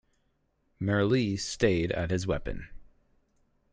Merli stayed at his weapon.